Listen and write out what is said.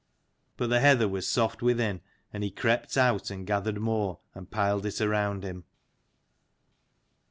But the heather was soft within, and he crept out and gathered more, and piled it around him.